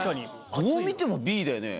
どう見てもＢだよね。